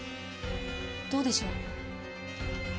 どうでしょう？